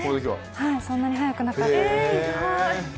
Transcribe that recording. はい、そんなに速くなかったです。